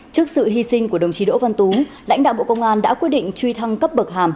trước sự hy sinh của đồng chí đỗ văn tú lãnh đạo bộ công an đã quyết định truy thăng cấp bậc hàm